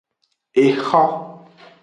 Exo.